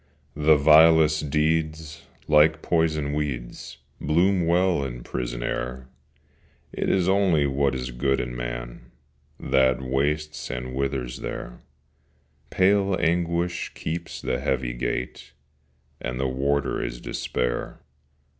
The vilest deeds like poison weeds, Bloom well in prison air; It is only what is good in Man That wastes and withers there: Pale Anguish keeps the heavy gate, And the Warder is Despair.